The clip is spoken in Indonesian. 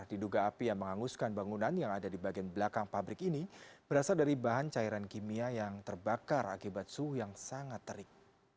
diduga api yang menghanguskan bangunan yang ada di bagian belakang pabrik ini berasal dari bahan cairan kimia yang terbakar akibat suhu yang sangat terik